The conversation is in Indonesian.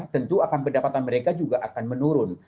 tentu akan pendapatan mereka juga akan menurun